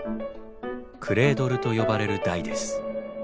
クレードルと呼ばれる台です。